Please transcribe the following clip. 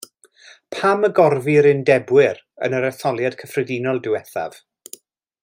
Pam y gorfu'r Undebwyr yn yr Etholiad Cyffredinol diwethaf?